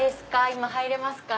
今入れますか？